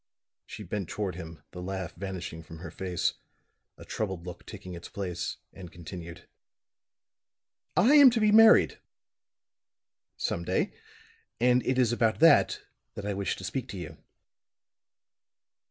She bent toward him, the laugh vanishing from her face, a troubled look taking its place, and continued. "I am to be married some day and it is about that that I wish to speak to you."